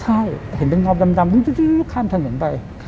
ใช่เห็นเป็นน้อมดำคร้ามทะเงินไป